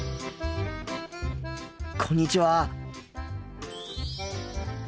こんにちは。